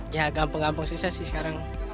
ya gampang gampang susah sih sekarang